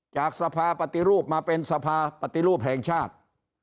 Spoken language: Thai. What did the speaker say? จากสภาปฏิรูปมาเป็นสภาปฏิรูปแห่งชาติ